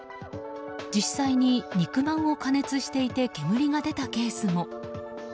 実際に肉まんを加熱していて煙が出たケースも。